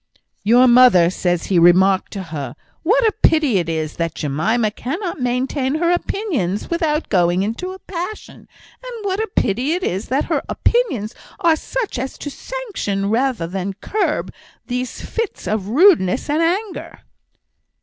"Your mother says he remarked to her, 'What a pity it is, that Jemima cannot maintain her opinions without going into a passion; and what a pity it is, that her opinions are such as to sanction, rather than curb, these fits of rudeness and anger!'"